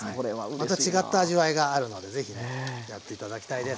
また違った味わいがあるのでぜひねやって頂きたいです。